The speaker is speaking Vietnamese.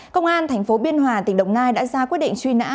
công an tp biên hòa tỉnh đồng nai đã ra quyết định truy nã